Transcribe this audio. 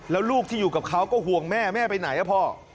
แล้วลูกที่อยู่กับเขาก็ห่วงแม่แม่ไปไหนอ่ะพ่อ